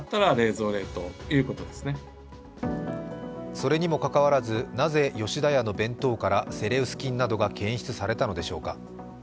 それにもかかわらず、なぜ吉田屋の弁当からセレウス菌などが検出されたのでしょうか